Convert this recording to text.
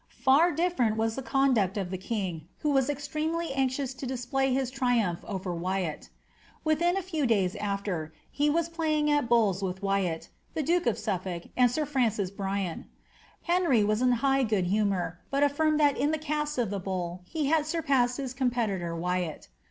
Far di&rent was the conduct of the king, who was exlremel anxious to display his triumph over Wyatt Within a few days after, I was playing at bowls with Wyatt, the duke of Suifolk, and sir Fraud Brian ; Henry was in high good humour, but affirmed that in the cast c the bowl he had surpassed his competitor Wyatt.